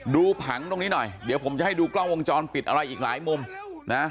ผังตรงนี้หน่อยเดี๋ยวผมจะให้ดูกล้องวงจรปิดอะไรอีกหลายมุมนะ